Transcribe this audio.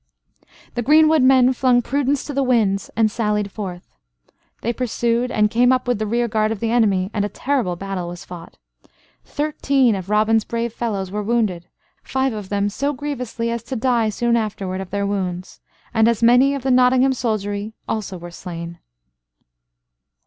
The greenwood men flung prudence to the winds and sallied forth. They pursued and came up with the rear guard of the enemy, and a terrible battle was fought. Thirteen of Robin's brave fellows were wounded, five of them so grievously as to die soon afterward of their wounds, and as many of the Nottingham soldiery also were slain.